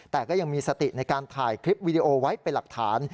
แต่ก็ยังมีสติในการถ่ายคลิปวิดีโอไว้เป็นหลักฐาน